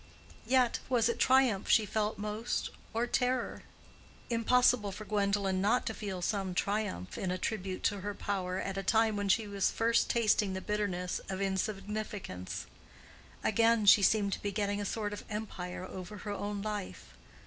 Yet—was it triumph she felt most or terror? Impossible for Gwendolen not to feel some triumph in a tribute to her power at a time when she was first tasting the bitterness of insignificance: again she seemed to be getting a sort of empire over her own life.